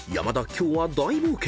今日は大冒険！］